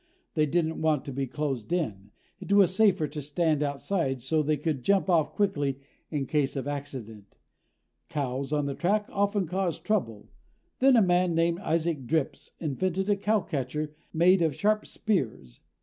They didn't want to be closed in. It was safer to stand outside so they could jump off quickly in case of accident. Cows on the track often caused trouble. Then a man named Isaac Dripps invented a cowcatcher made of sharp spears.